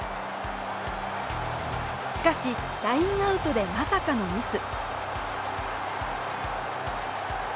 しかし、ラインアウトでまさかのミス。